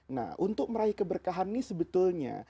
nah untuk meraih keberkahan ini sebetulnya